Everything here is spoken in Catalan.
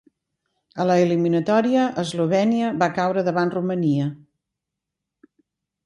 A la eliminatòria, Eslovènia va caure davant Romania.